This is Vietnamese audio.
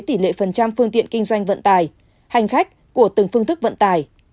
tỷ lệ phần trăm phương tiện kinh doanh vận tải hành khách của từng phương thức vận tải